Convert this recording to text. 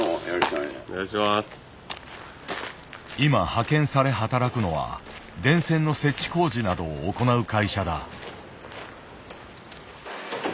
今派遣され働くのは電線の設置工事などを行う会社だ。